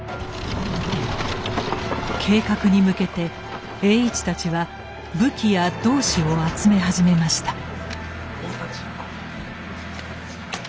計画に向けて栄一たちは武器や同志を集め始めました。